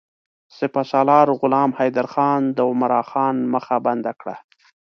سپه سالار غلام حیدرخان د عمرا خان مخه بنده کړه.